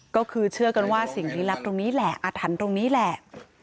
ก็คือเชื่อกันว่าสิ่งลี้ลับตรงนี้แหละอาถรรพ์ตรงนี้แหละ